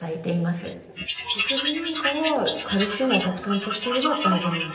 食事なんかはカルシウムをたくさんとっていれば大丈夫なんですか？